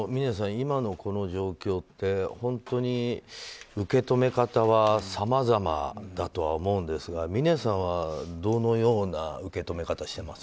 今のこの状況って本当に受け止め方はさまざまだとは思うんですが峰さんはどのような受け止め方してます？